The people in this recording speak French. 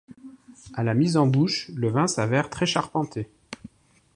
À la mise en bouche, le vin s'avère très charpenté.